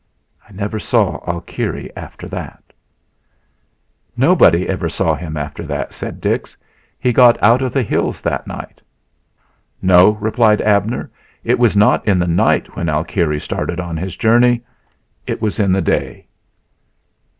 I never saw Alkire after that." "Nobody ever saw him after that," said Dix. "He got out of the hills that night." "No," replied Abner; "it was not in the night when Alkire started on his journey; it was in the day."